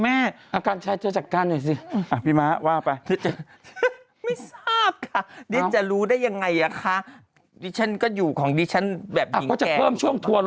เมื่อกี้ที่พูดคือเขาไลฟ์ออกหมดแล้ว